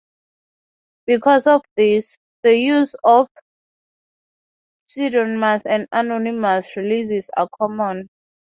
Because of this, the use of pseudonyms and anonymous releases are common.